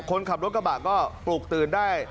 คนขับรถกระบะก็ปลุกตื่นได้